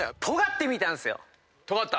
とがってみたんすよ。